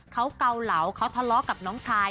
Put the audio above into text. เขาเกาเหลาเขาทะเลาะกับน้องชาย